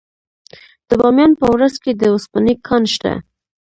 د بامیان په ورس کې د وسپنې کان شته.